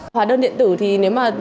hóa đơn điện tử thì nếu mà